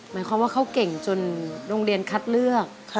หมายความว่าเขาเก่งจนโรงเรียนคัดเลือก